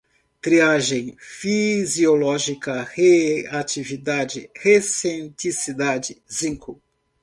triagem, fisiológicas, reatividade, recenticidade, zinco